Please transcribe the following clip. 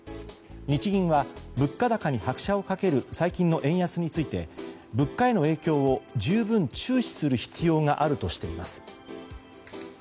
日銀は物価高に拍車を掛ける最近の円安について物価への影響を十分注視する必要があるとしています。